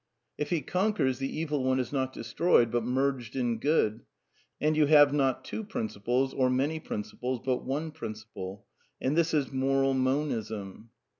If he conquers, the Evil One is not destroyed, but merged in Good ; and you have, not two principles, or many prin ciples, but one principle. And this is moral Monism.